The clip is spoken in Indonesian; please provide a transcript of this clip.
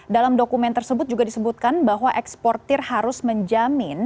dalam dokumen tersebut juga disebutkan bahwa eksportir harus menjamin